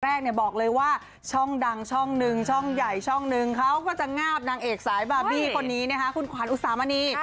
แรกบอกเลยว่าช่องดังช่องหนึ่งช่องใหญ่ช่องนึงเขาก็จะงาบนางเอกสายบาร์บี้คนนี้นะคะคุณขวัญอุสามณี